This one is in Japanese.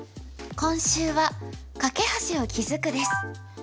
今週は「カケ橋を築く」です。